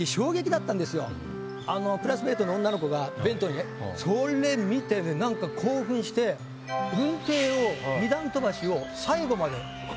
あのクラスメートの女の子が弁当にねそれ見てねなんか雲梯を二段飛ばしを最後まで。